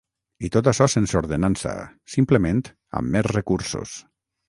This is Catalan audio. I tot açò sense ordenança, simplement amb més recursos.